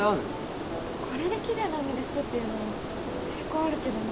これできれいな海ですって言うのは抵抗あるけどな。